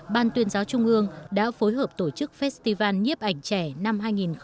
ban tuyên giáo trung ương đã phối hợp tổ chức festival nhếp ảnh trẻ năm hai nghìn một mươi chín